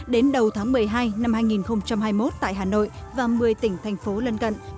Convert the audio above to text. đến đầu tháng một mươi hai năm hai nghìn hai mươi một tại hà nội và một mươi tỉnh thành phố lân cận